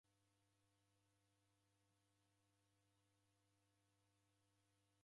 Aw'o w'abunge w'ajie isanga loli!